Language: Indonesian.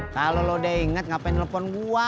kalau lu udah inget ngapain nelfon gua